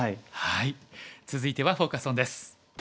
続いてはフォーカス・オンです。